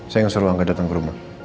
saya gak suruh angga datang ke rumah